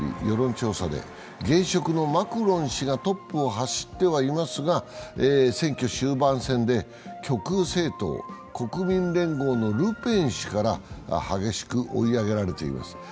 世論調査で現職のマクロン氏がトップを走ってはいますが、選挙終盤戦で極右政党・国民連合のルペン氏から激しく追い上げられています。